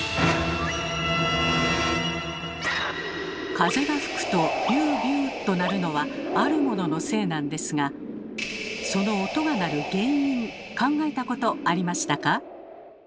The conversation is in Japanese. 風が吹くと「ビュービュー」となるのはあるもののせいなんですがその音がなる原因考えたことありましたか？